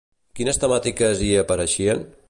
Quines temàtiques hi apareixien?